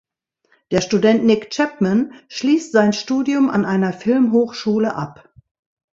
Der Student Nick Chapman schließt sein Studium an einer Filmhochschule ab.